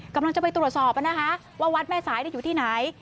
กำลังจะไปตรวจสอบนะคะว่าวัดแม่สายอยู่ที่ไหน